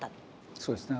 そうですね。